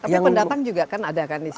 tapi pendatang juga kan ada kan di sana